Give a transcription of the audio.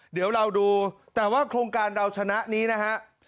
เดี๋ยวเราดูแต่ว่าโครงการเราชนะนี้นะฮะ